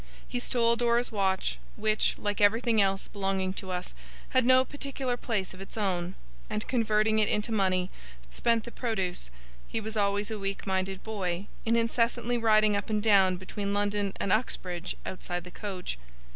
He stole Dora's watch, which, like everything else belonging to us, had no particular place of its own; and, converting it into money, spent the produce (he was always a weak minded boy) in incessantly riding up and down between London and Uxbridge outside the coach.